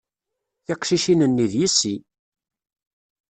Tiqcicin-nni, d yessi.